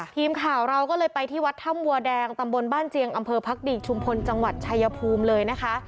ทีมข่าวเราก็เลยไปที่วัดถ้ำบัวแดงตำบลบ้านเจียงอำเภอพักดีกชุมพลจังหวัดชายภูมิเลยนะคะ